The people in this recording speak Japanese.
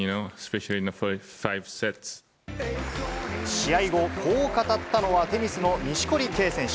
試合後、こう語ったのはテニスの錦織圭選手。